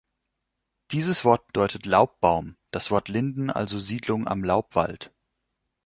Dieses Wort bedeutet Laubbaum, das Wort Linden also Siedlung am Laubwald.